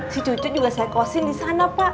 si cucu juga saya kosin di sana pak